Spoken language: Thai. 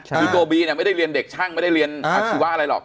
ใช่ครับคือโตบีเนี้ยไม่ได้เรียนเด็กช่างไม่ได้เรียนอาชีวะอะไรหรอก